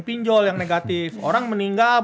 pinjol yang negatif orang meninggal